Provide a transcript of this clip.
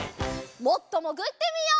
もっともぐってみよう！